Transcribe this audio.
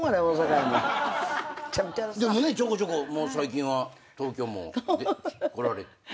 でもねちょこちょこ最近は東京も来られて。